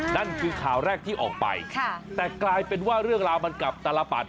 นั่นคือข่าวแรกที่ออกไปแต่กลายเป็นว่าเรื่องราวมันกลับตลปัด